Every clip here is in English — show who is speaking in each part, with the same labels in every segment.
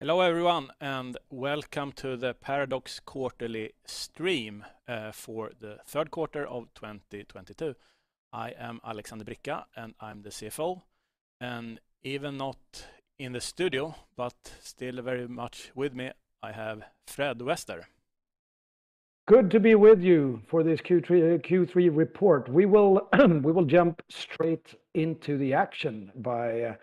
Speaker 1: Hello everyone, and welcome to the Paradox quarterly stream for the third quarter of 2022. I am Alexander Bricca, and I'm the CFO, and even not in the studio, but still very much with me, I have Fredrik Wester.
Speaker 2: Good to be with you for this Q3 report. We will jump straight into the action by,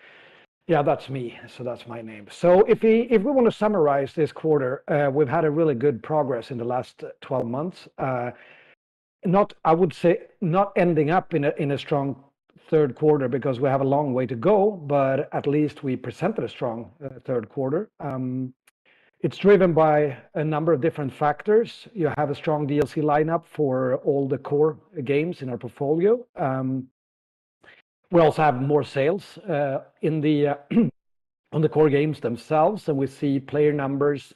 Speaker 2: yeah, that's me, so that's my name. If we want to summarize this quarter, we've had a really good progress in the last 12 months. I would say not ending up in a strong third quarter because we have a long way to go, but at least we presented a strong third quarter. It's driven by a number of different factors. You have a strong DLC lineup for all the core games in our portfolio. We also have more sales on the core games themselves, and we see player numbers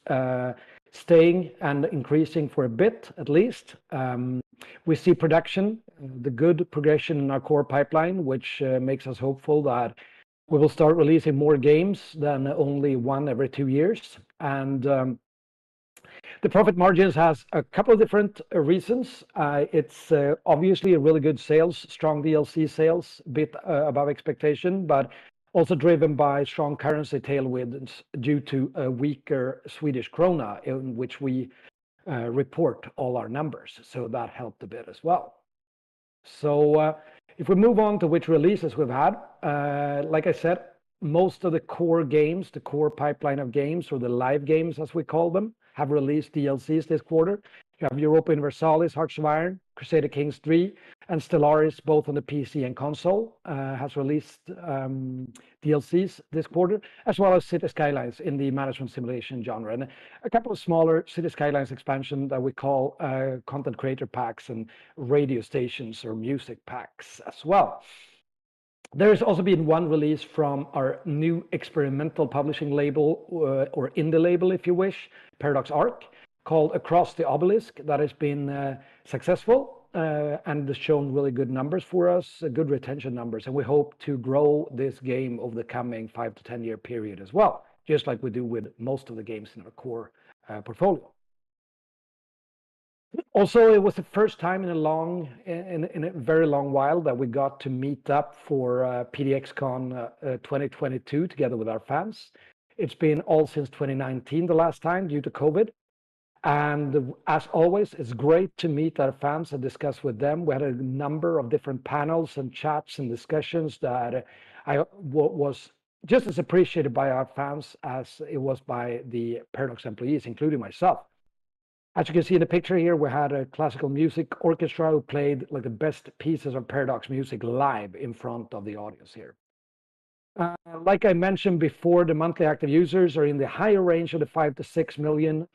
Speaker 2: staying and increasing for a bit at least. We see good progression in our core pipeline, which makes us hopeful that we will start releasing more games than only one every two years, and the profit margins has a couple different reasons. It's obviously a really good sales, strong DLC sales, a bit above expectation, but also driven by strong currency tailwinds due to a weaker Swedish krona in which we report all our numbers, so that helped a bit as well. If we move on to which releases we've had, like I said, most of the core games, the core pipeline of games or the live games as we call them, have released DLCs this quarter. We have Europa Universalis, Hearts of Iron, Crusader Kings III, and Stellaris both on the PC and console has released DLCs this quarter, as well as Cities: Skylines in the management simulation genre. A couple of smaller Cities: Skylines expansion that we call content creator packs and radio stations or music packs as well. There's also been one release from our new experimental publishing label or the label if you wish, Paradox Arc, called Across the Obelisk, that has been successful and has shown really good numbers for us, good retention numbers, and we hope to grow this game over the coming five to 10-year period as well, just like we do with most of the games in our core portfolio. It was the first time in a very long while that we got to meet up for PDXCON 2022 together with our fans. It's been a while since 2019 the last time due to COVID, and as always, it's great to meet our fans and discuss with them. We had a number of different panels and chats and discussions that was just as appreciated by our fans as it was by the Paradox employees, including myself. As you can see in the picture here, we had a classical music orchestra who played, like, the best pieces of Paradox music live in front of the audience here. Like I mentioned before, the monthly active users are in the higher range of the 5-6 million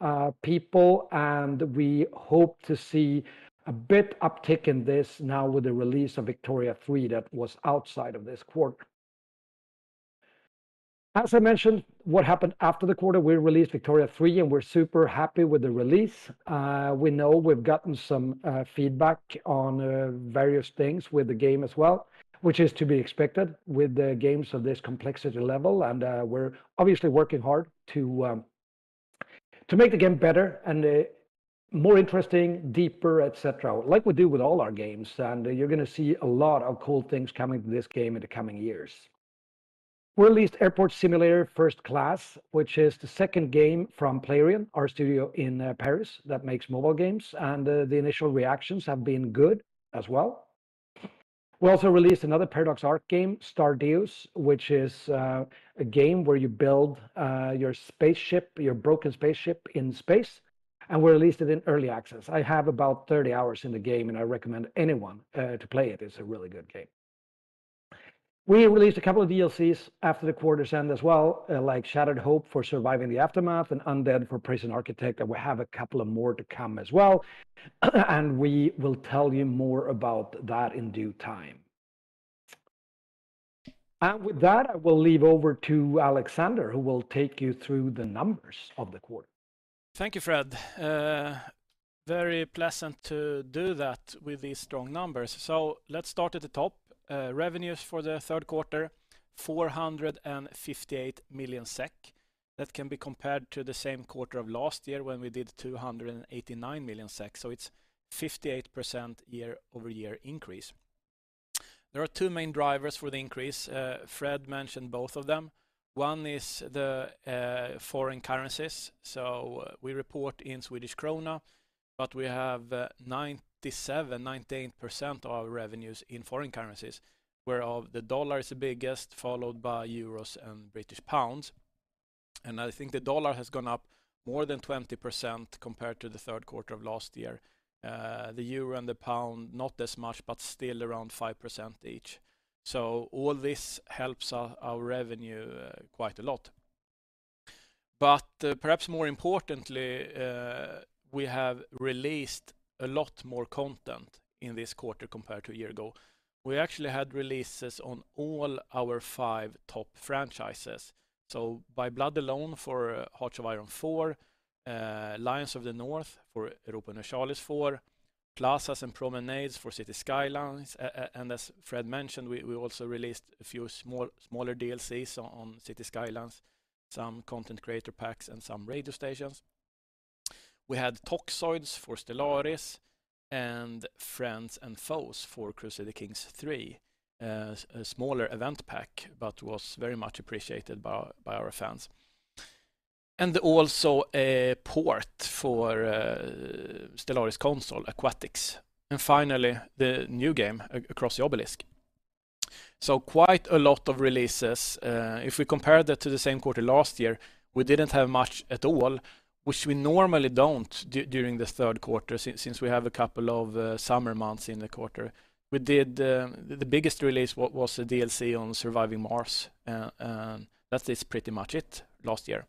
Speaker 2: people, and we hope to see a bit uptick in this now with the release of Victoria 3 that was outside of this quarter. As I mentioned, what happened after the quarter, we released Victoria 3, and we're super happy with the release. We know we've gotten some feedback on various things with the game as well, which is to be expected with the games of this complexity level, and we're obviously working hard to make the game better and more interesting, deeper, et cetera, like we do with all our games. You're going to see a lot of cool things coming to this game in the coming years. We released Airport Simulator: First Class, which is the second game from Playrion, our studio in Paris that makes mobile games, and the initial reactions have been good as well. We also released another Paradox Arc game, Stardeus, which is a game where you build your spaceship, your broken spaceship in space, and we released it in early access. I have about 30 hours in the game, and I recommend anyone to play it. It's a really good game. We released a couple of DLCs after the quarter's end as well, like Shattered Hope for Surviving the Aftermath and Undead for Prison Architect, and we have a couple of more to come as well, and we will tell you more about that in due time. With that, I will hand over to Alexander, who will take you through the numbers of the quarter.
Speaker 1: Thank you, Fred. Very pleasant to do that with these strong numbers. Let's start at the top. Revenues for the third quarter, 458 million SEK. That can be compared to the same quarter of last year when we did 289 million SEK, so it's a 58% year-over-year increase. There are two main drivers for the increase. Fred mentioned both of them. One is the foreign currencies. We report in Swedish krona, but we have 97%-98% of our revenues in foreign currencies, where of the dollar is the biggest, followed by euros and British pounds. I think the dollar has gone up more than 20% compared to the third quarter of last year. The euro and the pound not as much, but still around 5% each. All this helps our revenue quite a lot. Perhaps more importantly, we have released a lot more content in this quarter compared to a year ago. We actually had releases on all our five top franchises. By Blood Alone for Hearts of Iron IV, Lions of the North for Europa Universalis IV. Plazas and Promenades for Cities: Skylines. And as Fred mentioned, we also released a few smaller DLCs on Cities: Skylines, some content creator packs and some radio stations. We had Toxoids for Stellaris and Friends and Foes for Crusader Kings III, a smaller event pack, but was very much appreciated by our fans. Also a port for Stellaris console, Aquatics, and finally the new game, Across the Obelisk. Quite a lot of releases. If we compare that to the same quarter last year, we didn't have much at all, which we normally don't during this third quarter since we have a couple of summer months in the quarter. The biggest release was a DLC on Surviving Mars. That is pretty much it last year.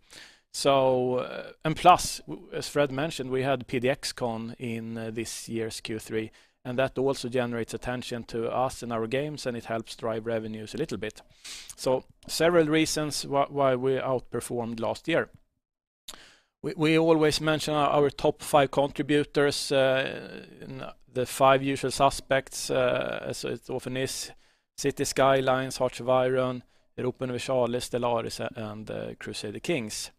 Speaker 1: And plus, as Fred mentioned, we had PDXCON in this year's Q3, and that also generates attention to us and our games, and it helps drive revenues a little bit. Several reasons why we outperformed last year. We always mention our top five contributors, the five usual suspects, as it often is, Cities: Skylines, Hearts of Iron, Europa Universalis, Stellaris, and Crusader Kings.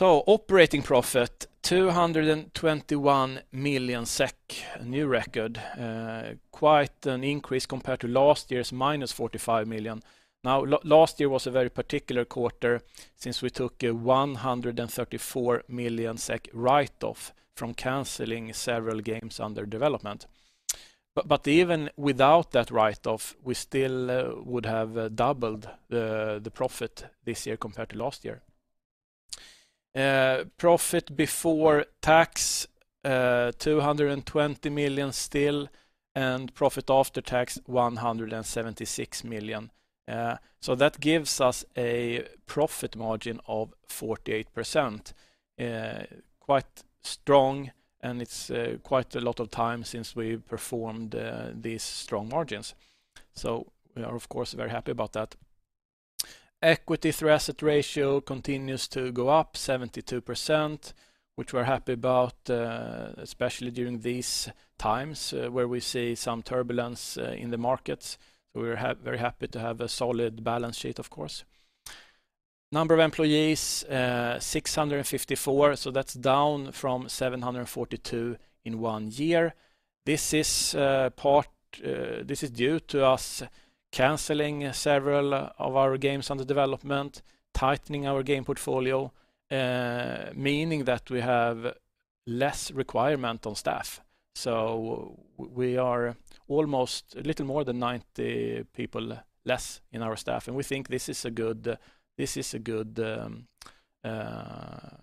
Speaker 1: Operating profit, 221 million SEK, a new record, quite an increase compared to last year's -45 million. Last year was a very particular quarter since we took a 134 million SEK write-off from canceling several games under development. Even without that write-off, we still would have doubled the profit this year compared to last year. Profit before tax, 220 million still, and profit after tax 176 million. That gives us a profit margin of 48%. Quite strong, and it's quite a lot of time since we performed these strong margins. We are of course very happy about that. Equity through asset ratio continues to go up 72%, which we're happy about, especially during these times, where we see some turbulence in the markets. We're very happy to have a solid balance sheet, of course. Number of employees, 654, so that's down from 742 in one year. This is due to us canceling several of our games under development, tightening our game portfolio, meaning that we have less requirement on staff. We are almost a little more than 90 people less in our staff, and we think this is a good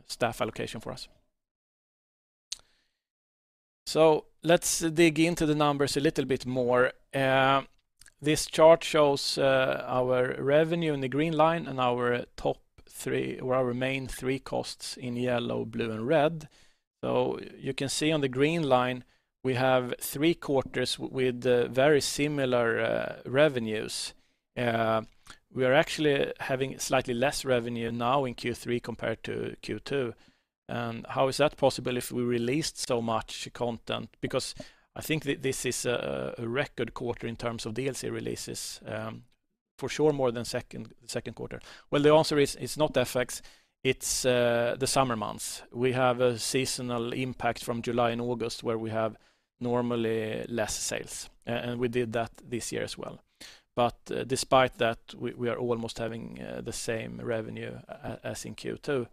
Speaker 1: staff allocation for us. Let's dig into the numbers a little bit more. This chart shows our revenue in the green line and our top three or our main three costs in yellow, blue and red. You can see on the green line we have three quarters with very similar revenues. We are actually having slightly less revenue now in Q3 compared to Q2. How is that possible if we released so much content? Because I think this is a record quarter in terms of DLC releases, for sure more than second quarter. Well, the answer is it's not effects, it's the summer months. We have a seasonal impact from July and August where we have normally less sales. And we did that this year as well. Despite that, we are almost having the same revenue as in Q2.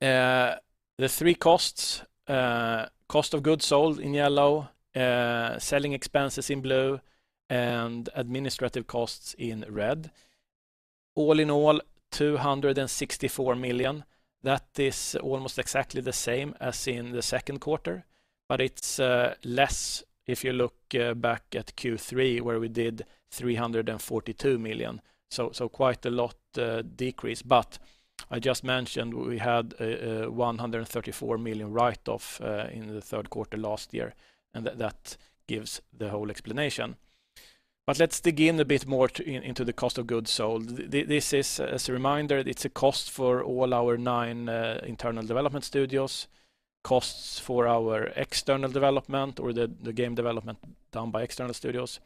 Speaker 1: The three costs, cost of goods sold in yellow, selling expenses in blue and administrative costs in red. All in all, 264 million. That is almost exactly the same as in the second quarter, but it's less if you look back at Q3, where we did 342 million, so quite a lot decrease. I just mentioned we had a 134 million write-off in the third quarter last year, and that gives the whole explanation. Let's dig in a bit more into the cost of goods sold. This is, as a reminder, it's a cost for all our nine internal development studios, costs for our external development or the game development done by external studios.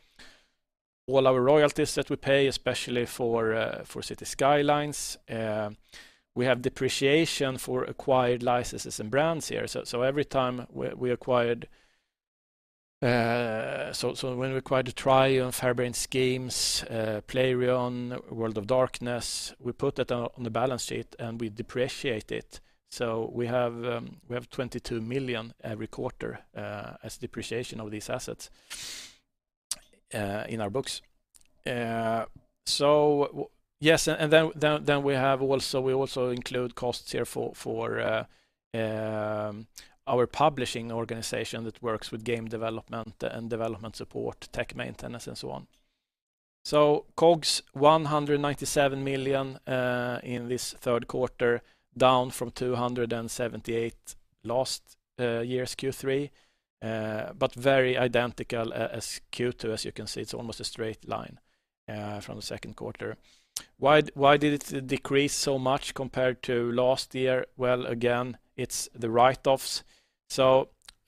Speaker 1: All our royalties that we pay, especially for Cities: Skylines. We have depreciation for acquired licenses and brands here. When we acquired the Triumph and Harebrained Schemes, Playrion, World of Darkness, we put that on the balance sheet, and we depreciate it. We have 22 million every quarter as depreciation of these assets in our books. We also include costs here for our publishing organization that works with game development and development support, tech maintenance and so on. COGS 197 million in this third quarter, down from 278 last year's Q3, but very identical as Q2 as you can see, it's almost a straight line from the second quarter. Why did it decrease so much compared to last year? Well, again, it's the write-offs.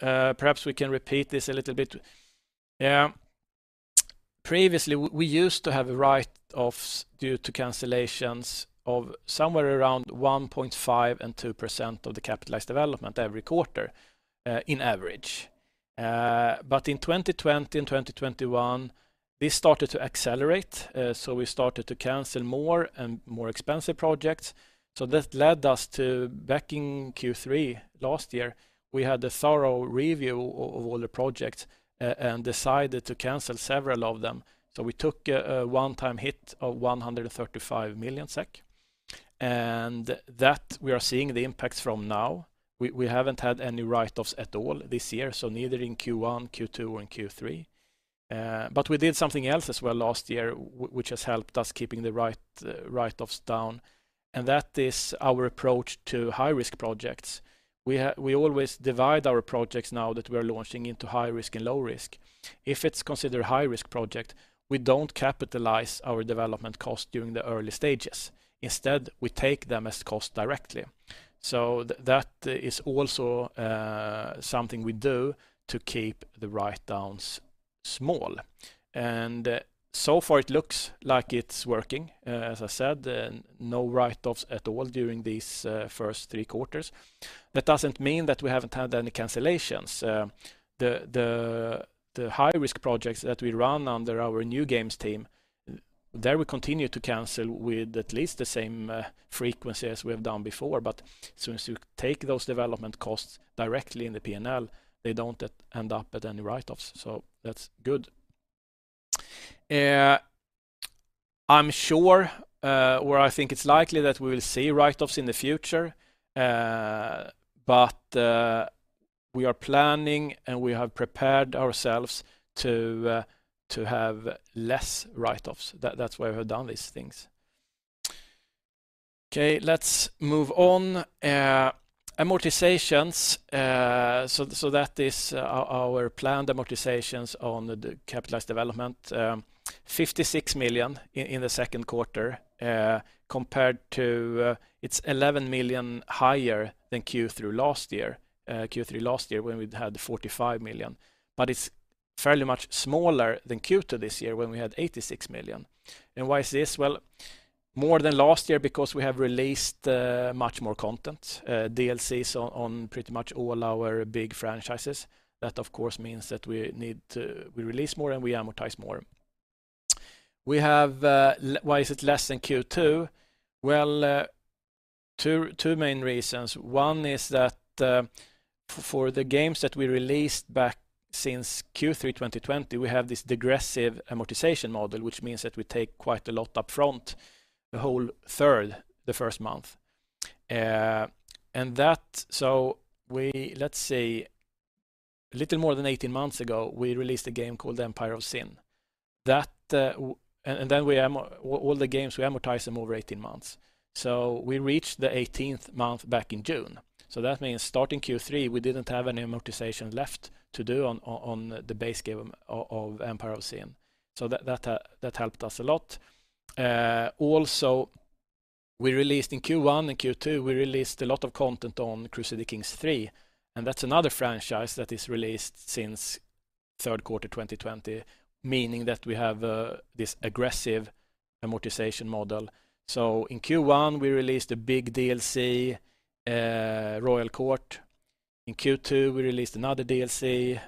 Speaker 1: Perhaps we can repeat this a little bit. Yeah. Previously, we used to have write-offs due to cancellations of somewhere around 1.5% and 2% of the capitalized development every quarter, on average. But in 2020 and 2021, this started to accelerate, so we started to cancel more and more expensive projects. That led us to back in Q3 last year, we had a thorough review of all the projects and decided to cancel several of them. We took a one-time hit of 135 million SEK, and that we are seeing the impacts from now. We haven't had any write-offs at all this year, so neither in Q1, Q2, and Q3. But we did something else as well last year which has helped us keeping the write-offs down, and that is our approach to high-risk projects. We always divide our projects now that we are launching into high risk and low risk. If it's considered a high-risk project, we don't capitalize our development costs during the early stages. Instead, we take them as cost directly. That is also something we do to keep the write-downs small. So far it looks like it's working, as I said, and no write-offs at all during these first three quarters. That doesn't mean that we haven't had any cancellations. The high-risk projects that we run under our new games team, there we continue to cancel with at least the same frequency as we have done before. Since you take those development costs directly in the P&L, they don't end up at any write-offs, so that's good. I'm sure, or I think it's likely that we will see write-offs in the future, but we are planning, and we have prepared ourselves to have less write-offs. That's why we have done these things. Okay, let's move on. Amortizations, that is our planned amortizations on the capitalized development, 56 million in the second quarter, compared to, it's 11 million higher than Q2 last year when we had 45 million. It's fairly much smaller than Q2 this year when we had 86 million. Why is this? Well, more than last year because we have released much more content, DLCs on pretty much all our big franchises. That of course means that we release more, and we amortize more. Why is it less than Q2? Well, two main reasons. One is that, for the games that we released back since Q3 2020, we have this degressive amortization model, which means that we take quite a lot up front, one third in the first month. That. Let's say little more than 18 months ago, we released a game called Empire of Sin. That, and then all the games, we amortize them over 18 months. We reached the 18th month back in June. That means starting Q3, we didn't have any amortization left to do on the base game of Empire of Sin. That helped us a lot. Also, we released in Q1 and Q2, we released a lot of content on Crusader Kings III, and that's another franchise that is released since third quarter 2020, meaning that we have this aggressive amortization model. In Q1, we released a big DLC, Royal Court. In Q2, we released another DLC,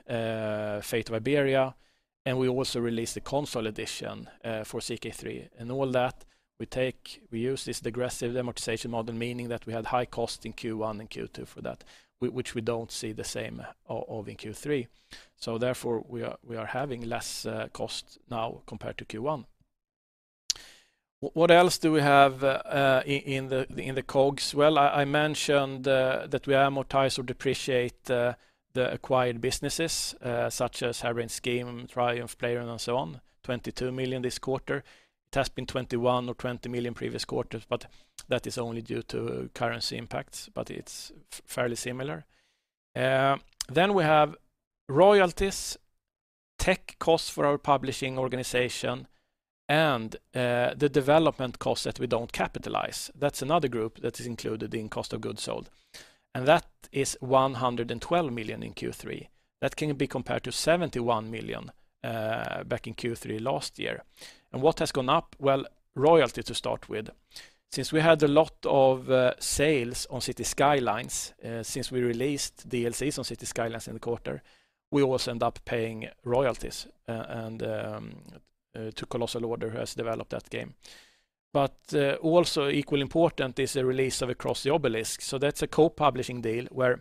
Speaker 1: Fate of Iberia, and we also released a console edition for CK III. All that, we use this degressive amortization model, meaning that we had high cost in Q1 and Q2 for that, which we don't see the same of in Q3. Therefore, we are having less cost now compared to Q1. What else do we have in the COGS? I mentioned that we amortize or depreciate the acquired businesses, such as Haemimont Games, Triumph, Playrion, and so on, 22 million this quarter. It has been 21 million or 20 million previous quarters, but that is only due to currency impacts, but it's fairly similar. Then we have royalties, tech costs for our publishing organization, and the development costs that we don't capitalize. That's another group that is included in cost of goods sold, and that is 112 million in Q3. That can be compared to 71 million back in Q3 last year. What has gone up? Well, royalty to start with. Since we had a lot of sales on Cities: Skylines, since we released DLCs on Cities: Skylines in the quarter, we also end up paying royalties, and to Colossal Order who has developed that game. Also equally important is the release of Across the Obelisk. That's a co-publishing deal where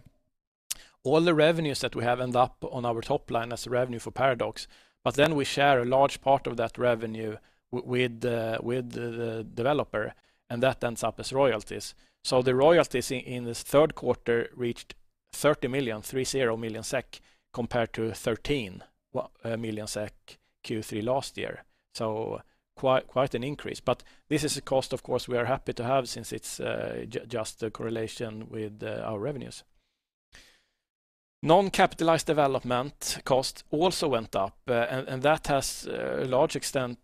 Speaker 1: all the revenues that we have end up on our top line as revenue for Paradox, but then we share a large part of that revenue with the developer, and that ends up as royalties. The royalties in this third quarter reached 30 million, compared to 13 million SEK Q3 last year. Quite an increase, but this is a cost of course we are happy to have since it's just a correlation with our revenues. Non-capitalized development cost also went up, and that has, to a large extent,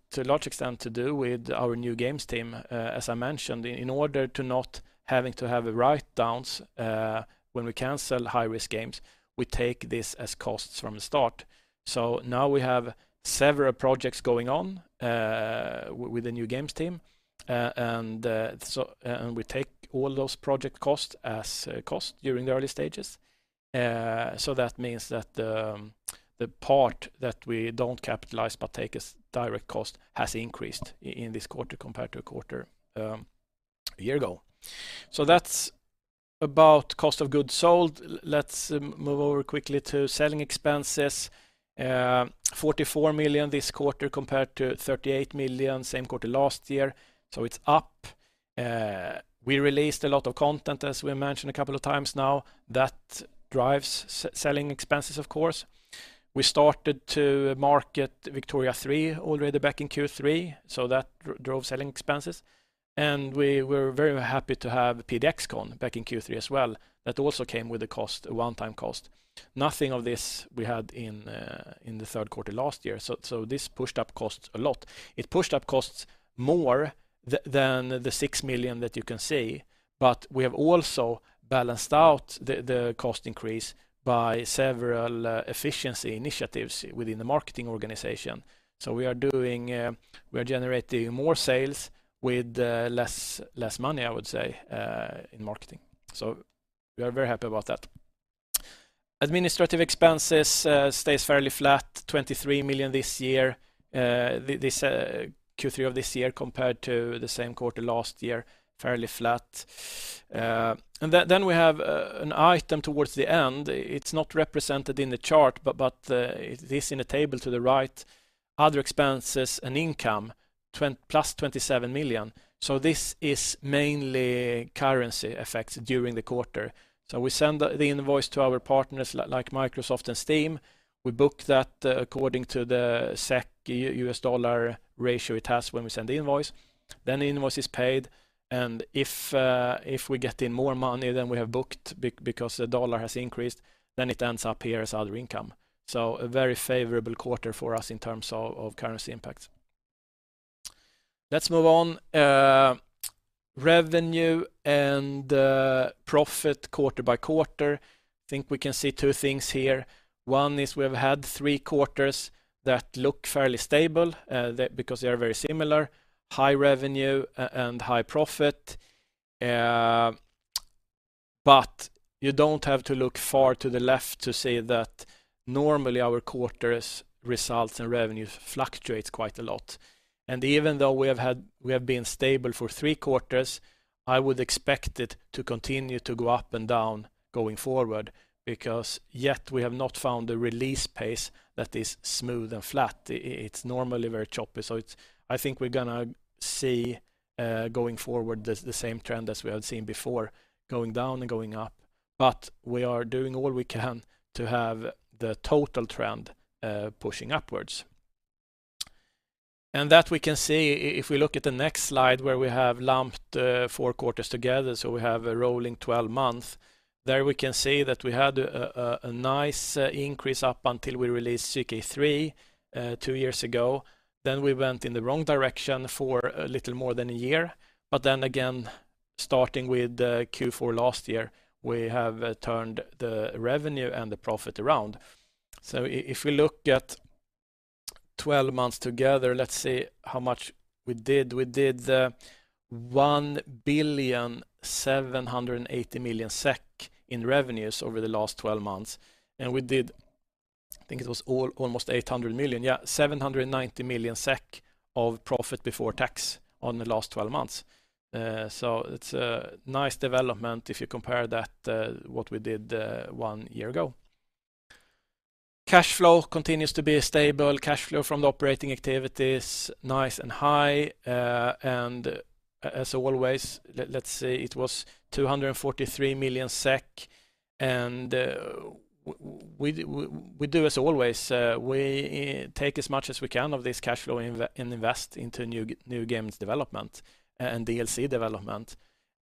Speaker 1: to do with our new games team, as I mentioned, in order to not having to have the write-downs when we cancel high-risk games, we take this as costs from the start. Now we have several projects going on with the new games team. And we take all those project costs as cost during the early stages. That means that the part that we don't capitalize but take as direct cost has increased in this quarter compared to a quarter a year ago. That's about cost of goods sold. Let's move over quickly to selling expenses. 44 million this quarter compared to 38 million same quarter last year, so it's up. We released a lot of content, as we mentioned a couple of times now, that drives selling expenses, of course. We started to market Victoria 3 already back in Q3, so that drove selling expenses, and we were very happy to have PDXCON back in Q3 as well. That also came with a one-time cost. Nothing of this we had in the third quarter last year. This pushed up costs a lot. It pushed up costs more than the 6 million that you can see. We have also balanced out the cost increase by several efficiency initiatives within the marketing organization. We are generating more sales with less money, I would say, in marketing. We are very happy about that. Administrative expenses stays fairly flat, 23 million this year. This Q3 of this year compared to the same quarter last year, fairly flat. We have an item towards the end. It's not represented in the chart, but it is in the table to the right, other expenses and income, +27 million. This is mainly currency effects during the quarter. We send the invoice to our partners like Microsoft and Steam. We book that according to the SEK-U.S. dollar ratio it has when we send the invoice. The invoice is paid, and if we get in more money than we have booked because the dollar has increased, then it ends up here as other income. A very favorable quarter for us in terms of currency impact. Let's move on. Revenue and profit quarter by quarter. Think we can see two things here. One is we've had three quarters that look fairly stable, because they are very similar, high revenue and high profit. You don't have to look far to the left to see that normally our quarters results and revenues fluctuate quite a lot. Even though we have been stable for three quarters, I would expect it to continue to go up and down going forward because yet we have not found a release pace that is smooth and flat. It's normally very choppy. I think we're going to see, going forward the same trend as we had seen before, going down and going up. We are doing all we can to have the total trend pushing upwards. That we can see if we look at the next slide where we have lumped four quarters together, so we have a rolling 12-month. There we can see that we had a nice increase up until we released CK3 two years ago. Then we went in the wrong direction for a little more than a year. Then again, starting with Q4 last year, we have turned the revenue and the profit around. If we look at 12 months together, let's see how much we did. We did 1,780 million SEK in revenues over the last 12 months, and we did, almost 800 million, 790 million SEK of profit before tax on the last 12 months. It's a nice development if you compare that what we did 1 year ago. Cash flow continues to be stable. Cash flow from the operating activities, nice and high. Let's say it was 243 million SEK, and we do as always, we take as much as we can of this cash flow and invest into new games development and DLC development.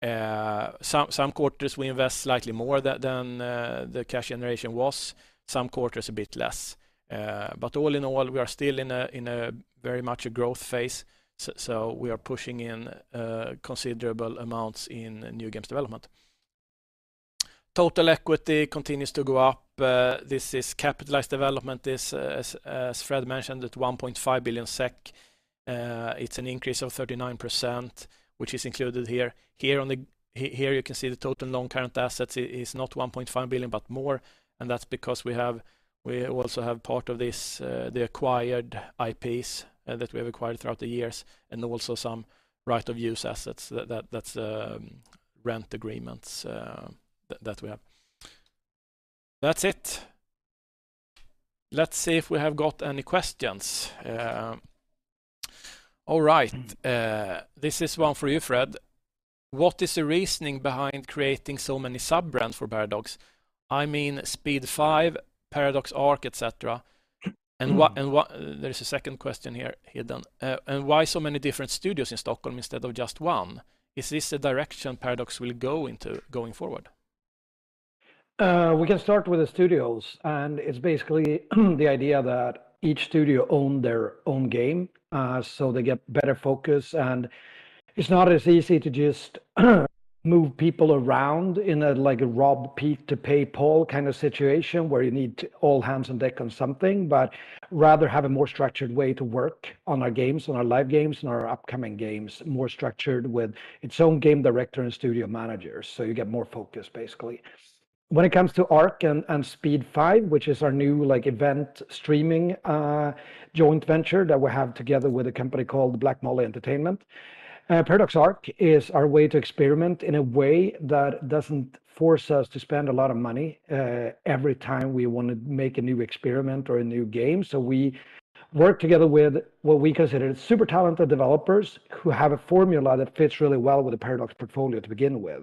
Speaker 1: Some quarters we invest slightly more than the cash generation was, some quarters a bit less. All in all, we are still in a very much growth phase. We are pushing in considerable amounts in new games development. Total equity continues to go up. This is capitalized development. As Fred mentioned, at 1.5 billion SEK. It's an increase of 39%, which is included here. Here you can see the total non-current assets is not 1.5 billion, but more, and that's because we also have part of this, the acquired IPs, that we have acquired throughout the years, and also some right-of-use assets that that's rent agreements that we have. That's it. Let's see if we have got any questions. All right. This is one for you, Fred. What is the reasoning behind creating so many sub-brands for Paradox? I mean, SPEED5, Paradox Arc, et cetera. There's a second question here hidden. Why so many different studios in Stockholm instead of just one? Is this a direction Paradox will go into going forward?
Speaker 2: We can start with the studios, and it's basically the idea that each studio own their own game, so they get better focus and it's not as easy to just move people around in a, like a rob Peter to pay Paul kind of situation where you need all hands on deck on something, but rather have a more structured way to work on our games, on our live games and our upcoming games, more structured with its own game director and studio managers. You get more focus basically. When it comes to Paradox Arc and SPEED5, which is our new like event streaming joint venture that we have together with a company called Black Molly Entertainment. Paradox Arc is our way to experiment in a way that doesn't force us to spend a lot of money every time we want to make a new experiment or a new game. We work together with what we consider super talented developers who have a formula that fits really well with the Paradox portfolio to begin with,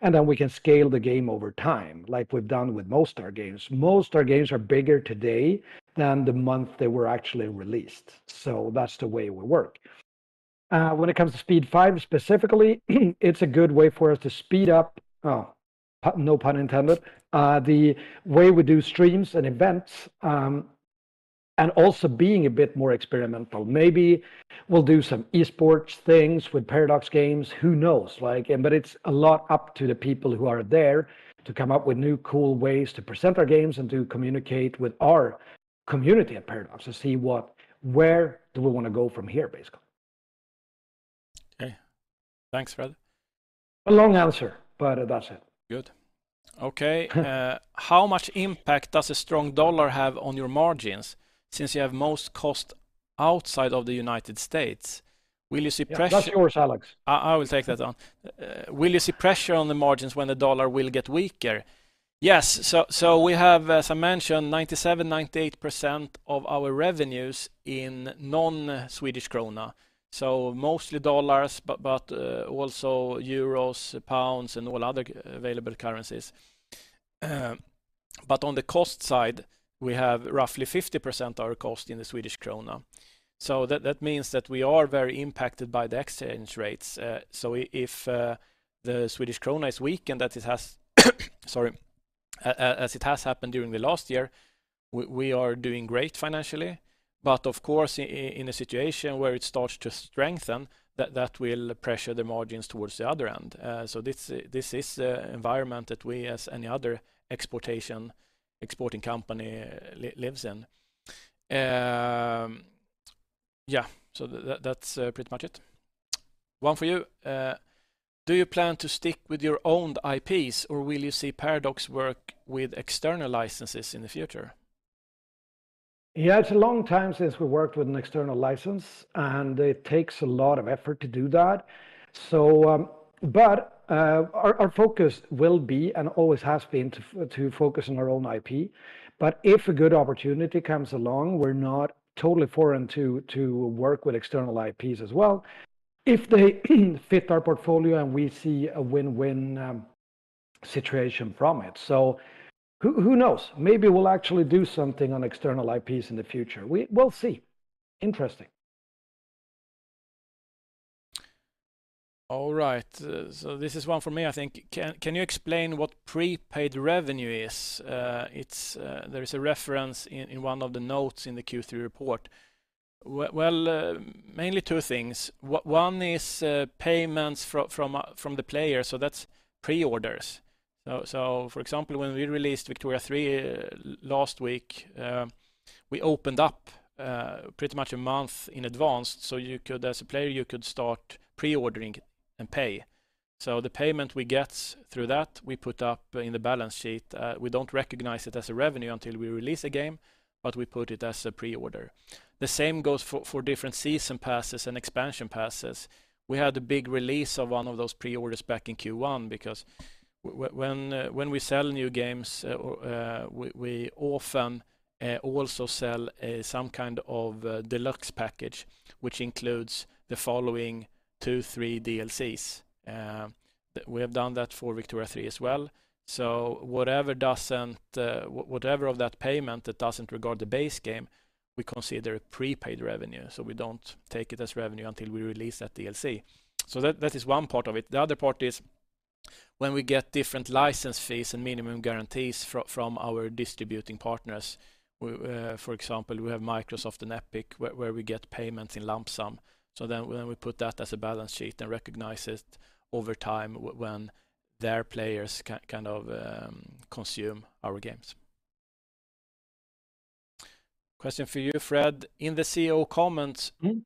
Speaker 2: and then we can scale the game over time like we've done with most our games. Most our games are bigger today than the month they were actually released, so that's the way we work. When it comes to SPEED5 specifically, it's a good way for us to speed up, no pun intended, the way we do streams and events, and also being a bit more experimental. Maybe we'll do some eSports things with Paradox Games. Who knows? Like, it's a lot up to the people who are there to come up with new cool ways to present our games and to communicate with our community at Paradox to see what, where do we want to go from here, basically.
Speaker 1: Okay. Thanks, Fred.
Speaker 2: A long answer, but, it does it.
Speaker 1: Good. Okay. How much impact does a strong dollar have on your margins since you have most costs outside of the United States? Will you see pressure-
Speaker 2: Yeah, that's yours, Alex.
Speaker 1: I will take that on. Will you see pressure on the margins when the dollar will get weaker? Yes. We have, as I mentioned, 97%-98% of our revenues in non-Swedish krona, so mostly dollars, but also euros, pounds, and all other available currencies. On the cost side, we have roughly 50% of our cost in the Swedish krona, so that means that we are very impacted by the exchange rates. If the Swedish krona is weak and as it has happened during the last year, we are doing great financially, but of course, in a situation where it starts to strengthen, that will pressure the margins towards the other end. This is an environment that we, as any other exporting company, live in. Yeah, that's pretty much it. One for you. Do you plan to stick with your own IPs or will you see Paradox work with external licenses in the future?
Speaker 2: Yeah, it's a long time since we worked with an external license, and it takes a lot of effort to do that. Our focus will be, and always has been, to focus on our own IP. If a good opportunity comes along, we're not totally foreign to work with external IPs as well if they fit our portfolio and we see a win-win situation from it. Who knows? Maybe we'll actually do something on external IPs in the future. We'll see. Interesting.
Speaker 1: All right. This is one for me, I think. Can you explain what prepaid revenue is? It's there is a reference in one of the notes in the Q3 report. Well, mainly two things. One is payments from the player, so that's pre-orders. For example, when we released Victoria 3 last week, we opened up pretty much a month in advance so you could, as a player, you could start pre-ordering and pay. The payment we get through that, we put up in the balance sheet. We don't recognize it as a revenue until we release a game, but we put it as a pre-order. The same goes for different season passes and expansion passes. We had a big release of one of those pre-orders back in Q1 because when we sell new games, we often also sell some kind of a deluxe package which includes the following two, three DLCs. We have done that for Victoria 3 as well. Whatever of that payment that doesn't regard the base game, we consider prepaid revenue, so we don't take it as revenue until we release that DLC. That is one part of it. The other part is when we get different license fees and minimum guarantees from our distributing partners, for example, we have Microsoft and Epic where we get payments in lump sum, so then we put that on the balance sheet and recognize it over time when their players consume our games. Question for you, Fred. In the CEO comments-
Speaker 2: Mm-hmm....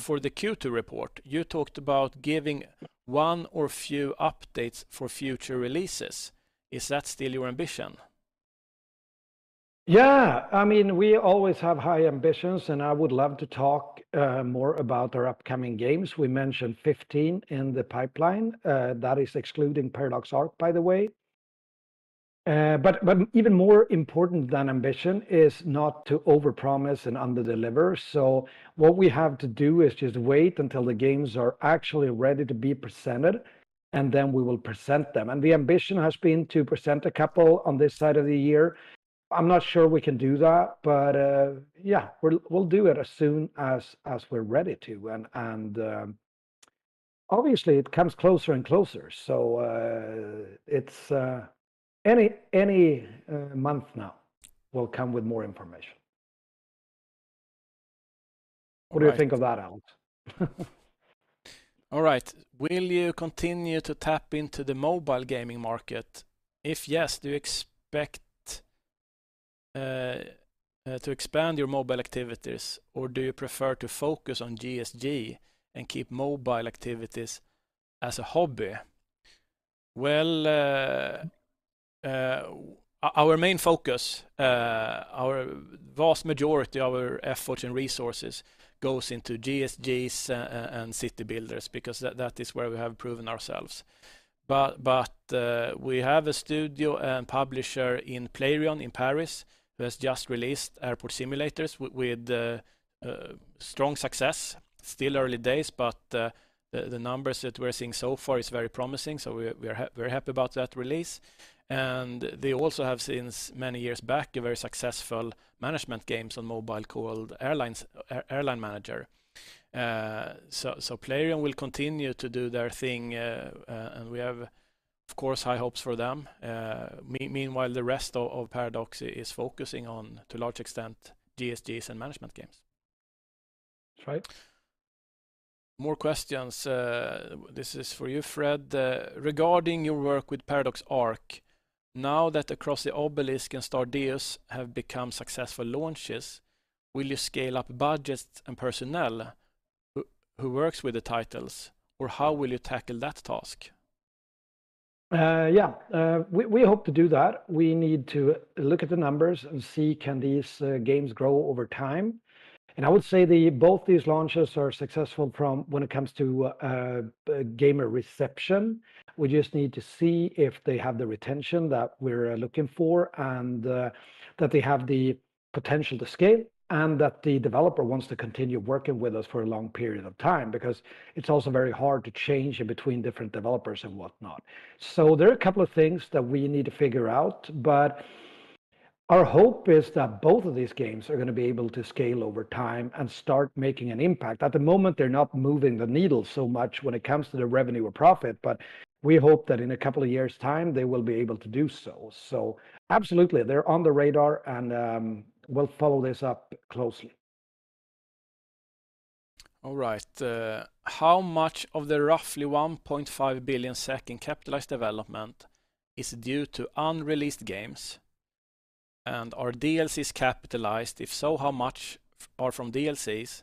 Speaker 1: for the Q2 report, you talked about giving one or few updates for future releases. Is that still your ambition?
Speaker 2: Yeah, I mean, we always have high ambitions and I would love to talk more about our upcoming games. We mentioned 15 in the pipeline. That is excluding Paradox Arc, by the way. Even more important than ambition is not to overpromise and underdeliver. What we have to do is just wait until the games are actually ready to be presented, and then we will present them, and the ambition has been to present a couple on this side of the year. I'm not sure we can do that, but yeah, we'll do it as soon as we're ready to and obviously, it comes closer and closer. It's any month now will come with more information.
Speaker 1: Right.
Speaker 2: What do you think of that, Al?
Speaker 1: All right. Will you continue to tap into the mobile gaming market? If yes, do you expect to expand your mobile activities or do you prefer to focus on GSG and keep mobile activities as a hobby? Our main focus, our vast majority of our effort and resources goes into GSGs and city builders because that is where we have proven ourselves. We have a studio and publisher in Playrion in Paris who has just released Airport Simulator with strong success. Still early days. The numbers that we're seeing so far is very promising, so we are very happy about that release. They also have since many years back a very successful management games on mobile called Airlines Manager. Playrion will continue to do their thing, and we have of course high hopes for them. Meanwhile, the rest of Paradox is focusing on, to a large extent, GSGs and management games.
Speaker 2: Right.
Speaker 1: More questions. This is for you, Fred. Regarding your work with Paradox Arc, now that Across the Obelisk and Stardeus have become successful launches, will you scale up budgets and personnel who works with the titles or how will you tackle that task?
Speaker 2: Yeah. We hope to do that. We need to look at the numbers and see can these games grow over time and I would say that both these launches are successful from what it comes to gamer reception. We just need to see if they have the retention that we're looking for and that they have the potential to scale, and that the developer wants to continue working with us for a long period of time because it's also very hard to change in between different developers and whatnot. There are a couple of things that we need to figure out, but our hope is that both of these games are going to be able to scale over time and start making an impact. At the moment, they're not moving the needle so much when it comes to the revenue or profit, but we hope that in a couple of years' time, they will be able to do so. Absolutely, they're on the radar and we'll follow this up closely.
Speaker 1: All right. How much of the roughly 1.5 billion in capitalized development is due to unreleased games and are DLCs capitalized? If so, how much are from DLCs?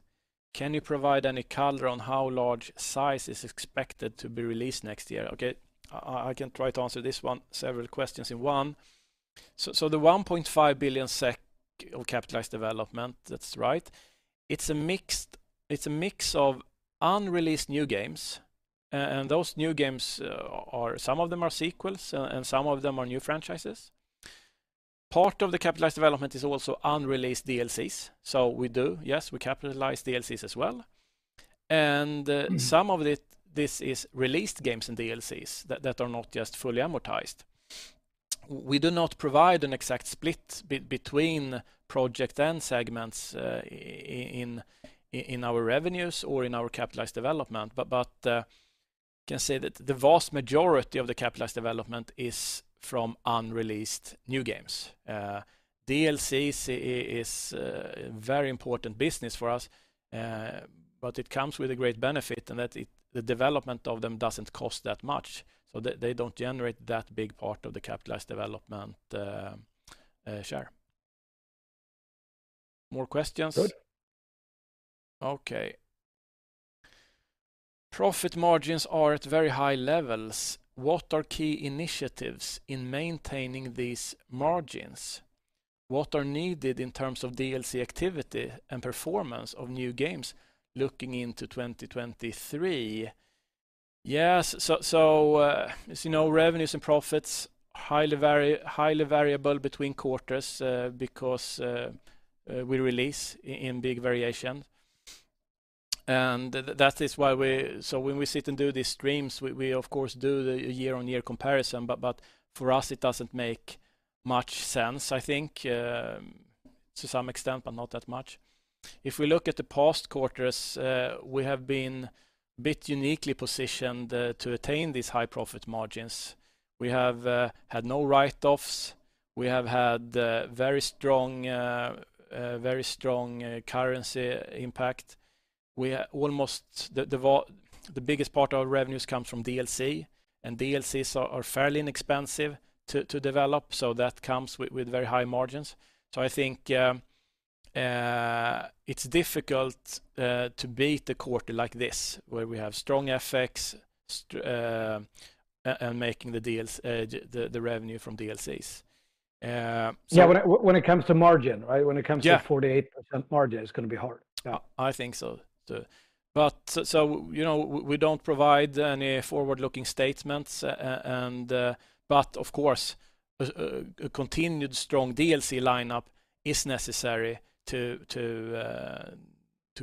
Speaker 1: Can you provide any color on how large size is expected to be released next year? Okay. I can try to answer this one, several questions in one. The 1.5 billion SEK of capitalized development, that's right, it's a mix of unreleased new games and those new games are some of them are sequels and some of them are new franchises. Part of the capitalized development is also unreleased DLCs. We do, yes, we capitalize DLCs as well, and some of it this is released games and DLCs that are not just fully amortized. We do not provide an exact split between project and segments in our revenues or in our capitalized development, but can say that the vast majority of the capitalized development is from unreleased new games. DLCs is very important business for us, but it comes with a great benefit in that the development of them doesn't cost that much, so they don't generate that big part of the capitalized development share. More questions?
Speaker 2: Good.
Speaker 1: Profit margins are at very high levels. What are key initiatives in maintaining these margins? What are needed in terms of DLC activity and performance of new games looking into 2023? Yes. As you know, revenues and profits highly variable between quarters, because we release in big variation, and that is why so when we sit and do these streams, we of course do the year-on-year comparison, but for us, it doesn't make much sense, I think, to some extent, but not that much. If we look at the past quarters, we have been a bit uniquely positioned to attain these high profit margins. We have had no write-offs. We have had very strong currency impact. Almost the biggest part of our revenues comes from DLC, and DLCs are fairly inexpensive to develop, so that comes with very high margins. I think it's difficult to beat a quarter like this where we have strong FX and the revenue from DLCs.
Speaker 2: Yeah, when it comes to margin, right?
Speaker 1: Yeah.
Speaker 2: When it comes to 48% margin, it's going to be hard. Yeah.
Speaker 1: I think so too. You know, we don't provide any forward-looking statements and but of course a continued strong DLC lineup is necessary to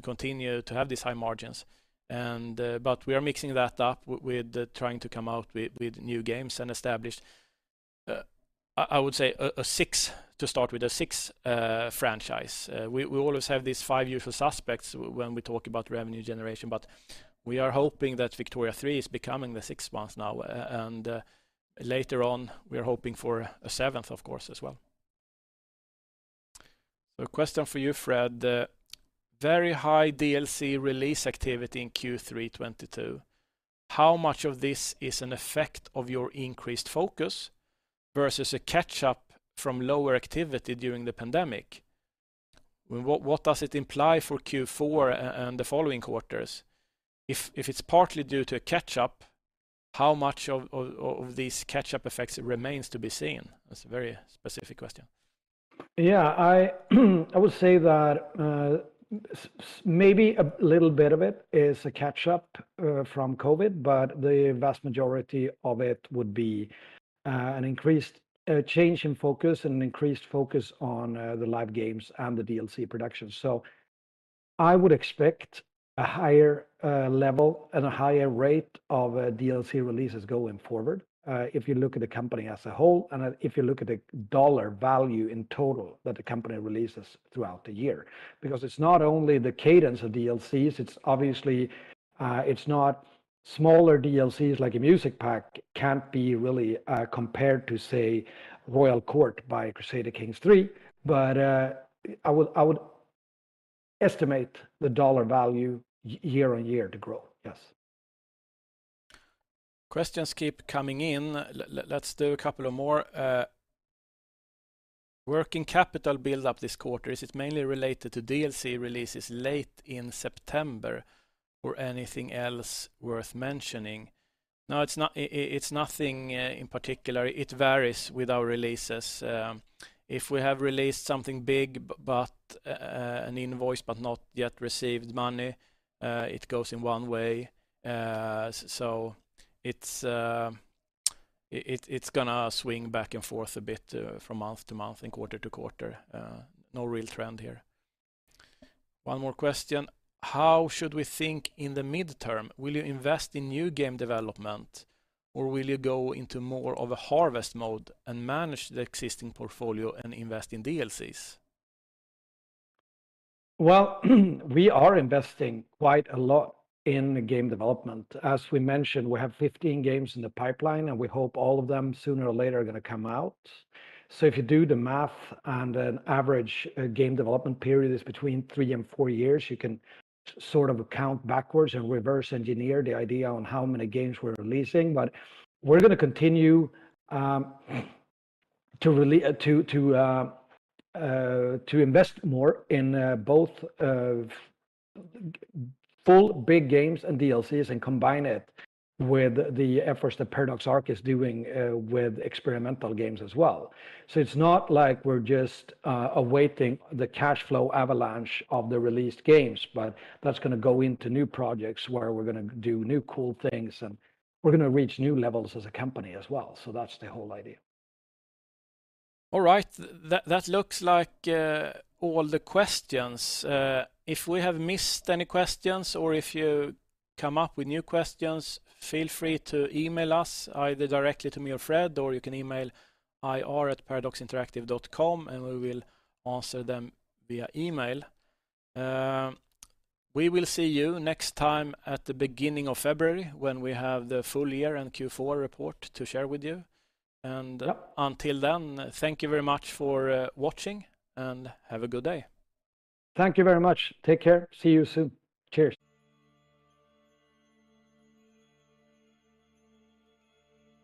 Speaker 1: continue to have these high margins and but we are mixing that up with trying to come out with new games and establish. I would say a six to start with, a six franchise. We always have these five usual suspects when we talk about revenue generation, but we are hoping that Victoria 3 is becoming the sixth one now. Later on we are hoping for a seventh of course as well. A question for you, Fred. Very high DLC release activity in Q3 2022. How much of this is an effect of your increased focus versus a catch-up from lower activity during the pandemic? What does it imply for Q4 and the following quarters? If it's partly due to a catch-up, how much of these catch-up effects remains to be seen? That's a very specific question.
Speaker 2: Yeah. I would say that, maybe a little bit of it is a catch-up from COVID, but the vast majority of it would be an increased change in focus and an increased focus on the live games and the DLC production. I would expect a higher level and a higher rate of DLC releases going forward, if you look at the company as a whole, and if you look at the dollar value in total that the company releases throughout the year because it's not only the cadence of DLCs, it's obviously it's not smaller DLCs like a music pack can't be really compared to, say, Royal Court for Crusader Kings III. I would estimate the dollar value year on year to grow. Yes.
Speaker 1: Questions keep coming in. Let's do a couple more. Working capital build-up this quarter, is it mainly related to DLC releases late in September or anything else worth mentioning? No, it's not. It's nothing in particular. It varies with our releases. If we have released something big, but invoiced but not yet received money, it goes in one way. So it's going to swing back and forth a bit from month to month and quarter to quarter. No real trend here. One more question: How should we think in the midterm? Will you invest in new game development or will you go into more of a harvest mode and manage the existing portfolio and invest in DLCs?
Speaker 2: Well, we are investing quite a lot in game development. As we mentioned, we have 15 games in the pipeline and we hope all of them sooner or later are going to come out. If you do the math on average, game development period is between three and four years, you can sort of count backwards and reverse engineer the idea on how many games we're releasing. We're going to continue to invest more in both full big games and DLCs and combine it with the efforts that Paradox Arc is doing with experimental games as well. It's not like we're just awaiting the cash flow avalanche of the released games, but that's going to go into new projects where we're going to do new cool things and we're going to reach new levels as a company as well. That's the whole idea.
Speaker 1: All right. That looks like all the questions. If we have missed any questions or if you come up with new questions, feel free to email us either directly to me or Fred, or you can email ir@paradoxinteractive.com and we will answer them via email. We will see you next time at the beginning of February when we have the full year-end Q4 report to share with you.
Speaker 2: Yeah.
Speaker 1: Until then, thank you very much for watching, and have a good day.
Speaker 2: Thank you very much. Take care. See you soon. Cheers.